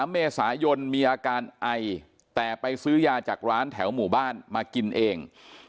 ๓เมษายนมีอาการไอแต่ไปซื้อยาจากร้านแถวหมู่บ้านมากินเอง